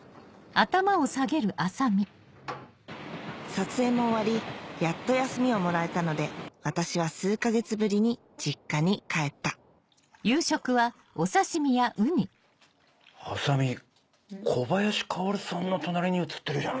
撮影も終わりやっと休みをもらえたので私は数か月ぶりに実家に帰った麻美小林薫さんの隣に写ってるじゃん。